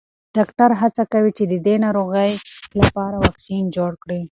ډاکټران هڅه کوي چې د دې ناروغۍ لپاره واکسین جوړ کړي.